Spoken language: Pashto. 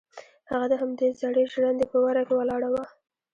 هغه د همدې زړې ژرندې په وره کې ولاړه وه.